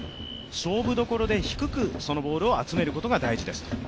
勝負どころで低く、そのボールを集めることが大事ですと。